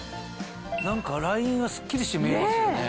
何かラインがスッキリして見えますよね。